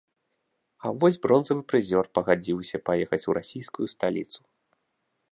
А вось бронзавы прызёр пагадзіўся паехаць у расійскую сталіцу.